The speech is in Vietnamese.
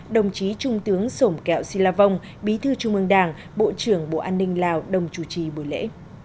đồng chí trung tướng sổm kẹo si la vong bí thư trung ương đảng bộ trưởng bộ an ninh lào đồng chủ trì buổi lễ